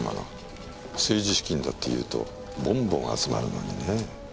政治資金だっていうとぼんぼん集まるのにねぇ。